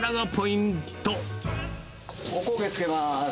お焦げつけます。